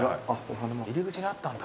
入り口にあったんだ。